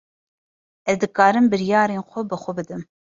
Ez dikarim biryarên xwe bi xwe bidim.